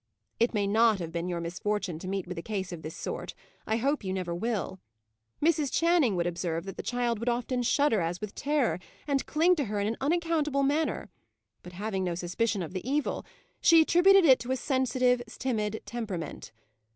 It may not have been your misfortune to meet with a case of this sort; I hope you never will. Mrs. Channing would observe that the child would often shudder, as with terror, and cling to her in an unaccountable manner; but, having no suspicion of the evil, she attributed it to a sensitive, timid temperament.